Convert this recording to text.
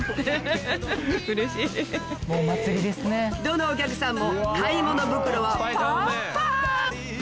どのお客さんも買い物袋はパンパン！